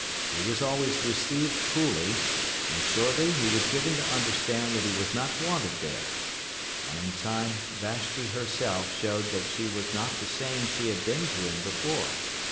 He was always received coolly, and shortly he was given to understand that he was not wanted there, and in time Vashti herself showed that she was not the same she had been to him before.